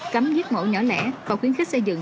cấm giết mổ nhỏ lẻ và khuyến khích xây dựng